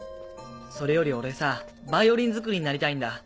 それより俺さバイオリン作りになりたいんだ。